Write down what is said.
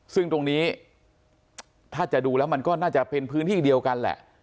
ซึ่งตรงนี้ถ้าจะดูแล้วมันก็น่าจะเป็นพื้นที่เดียวกันแหละ